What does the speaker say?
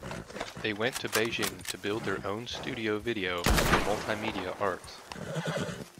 They went to Beijing to build their own Studio Video and Multimedia Arts.